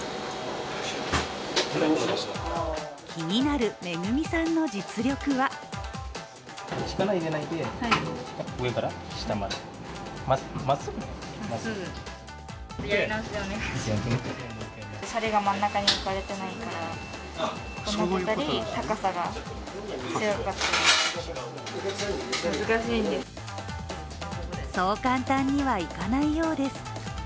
気になる恵さんの実力はそう簡単にはいかないようです。